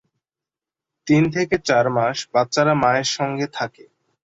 তিন থেকে চার মাস বাচ্চারা মায়ের সঙ্গে থাকে।